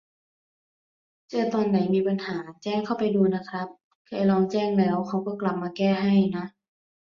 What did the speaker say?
เจอตอนไหนมีปัญหา แจ้งเข้าไปดูนะครับ เคยลองแจ้งแล้วเขาก็กลับมาแก้ให้นะ